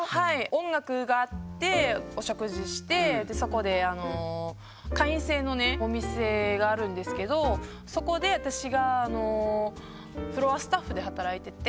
音楽があってお食事してそこで会員制のお店があるんですけどそこで私があそうなんだ。